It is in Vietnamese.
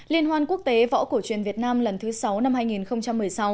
liên hoan quốc tế võ cổ truyền việt nam lần thứ sáu năm hai nghìn một mươi sáu